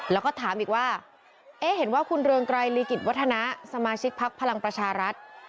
แล้วก็ถามอีกว่าเอ๊ะเห็นว่าคุณเรืองไกรลีกิจวัฒนะสมาชิกพักพลังประชารัฐ